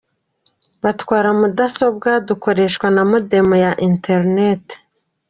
Batwara Mudasobwa dukoresha na Modem ya Internet.